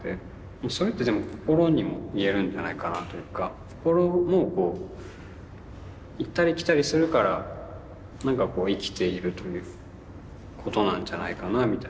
それってでも心にも言えるんじゃないかなというか心も行ったり来たりするからなんかこう生きているということなんじゃないかなみたいな。